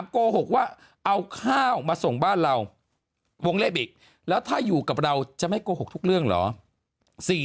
โกหกว่าเอาข้าวมาส่งบ้านเราวงเล่บอีกแล้วถ้าอยู่กับเราจะไม่โกหกทุกเรื่องเหรอ